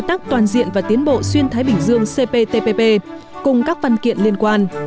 tiến bộ xuyên thái bình dương cptpp cùng các văn kiện liên quan